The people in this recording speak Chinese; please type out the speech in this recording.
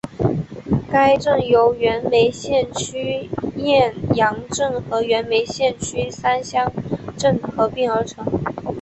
该镇由原梅县区雁洋镇和原梅县区三乡镇合并而成。